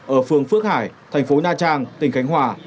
ở phường phước hải thành phố nha trang tỉnh khánh hòa